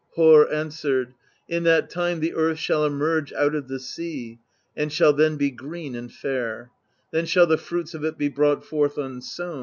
Harr answered: "In that time the earth shall emerge out of the sea, and shall then be green and fair; then shall the fruits of it be brought forth unsown.